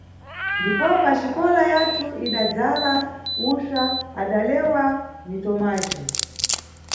Ndipopa xikola yathu idadzala usva adalewa ni Tomajhi.